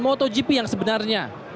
motogp yang sebenarnya